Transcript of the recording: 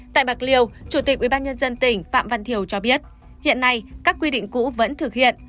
tại bạc liêu chủ tịch ubnd tỉnh phạm văn thiểu cho biết hiện nay các quy định cũ vẫn thực hiện